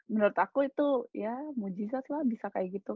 menurut aku itu ya mujizat lah bisa kayak gitu